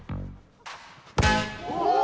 お！